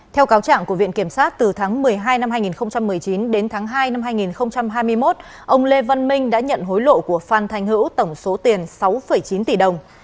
theo cáo trạng của viện kiểm sát từ tháng một mươi hai năm hai nghìn một mươi chín đến tháng hai năm hai nghìn hai mươi một ông lê văn minh đã nhận hối lộ của phan thanh hữu tổng số tiền sáu chín tỷ đồng